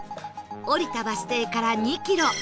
降りたバス停から２キロ